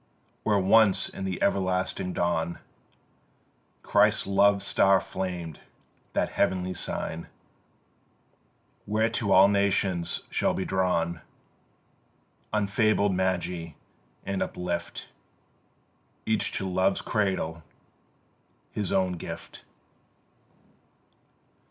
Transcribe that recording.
Where once in the everlasting dawn Christ's Love star flamed, that heavenly sign Whereto all nations shall be drawn, Unfabled Magi, and uplift Each to Love's cradle his own gift.